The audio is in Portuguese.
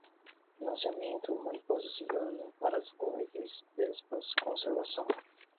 financiamento, mariposa cigana, parasitoides, vespas, conservação